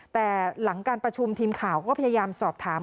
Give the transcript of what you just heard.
แต่หลังการประชุมทีมข่าวก็พยายามสอบถาม